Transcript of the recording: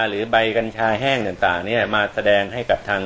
หรือใบกัญชาแห้งต่างมาแสดงให้กับทาง